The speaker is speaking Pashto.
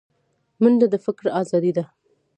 منډه د فکر ازادي ده